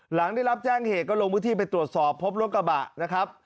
หลังได้รับแจ้งเหตุก็ลงพื้นที่ไปตรวจสอบพบรถกระบะนะครับ